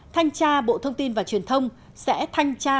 thanh tra bộ thông tin và truyền thông sẽ thanh tra